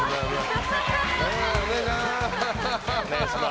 お願いします！